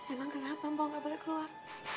emang kenapa empoh gak boleh keluar